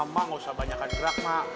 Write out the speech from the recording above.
mbak ga usah banyak banyak mbak